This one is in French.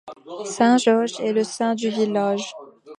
Saint Georges est le Saint du village.